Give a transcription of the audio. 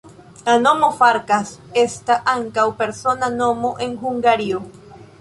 La nomo Farkas estas ankaŭ persona nomo en Hungario.